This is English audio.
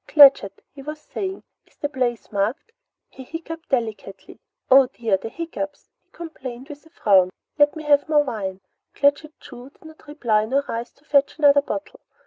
"Claggett," he was saying, "is the place marked?" He hiccuped delicately. "Hup! Oh dear! the hiccups!" he complained with a frown. "Let me have more wine!" Claggett Chew did not reply nor rise to fetch another bottle.